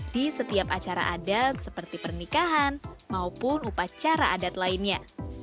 di setiap acara adat seperti pernikahan maupun upacara adat lainnya